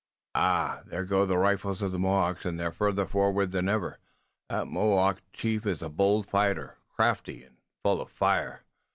Ah, there go the rifles of the Mohawks and they're farther forward than ever. That Mohawk chief is a bold fighter, crafty and full of fire."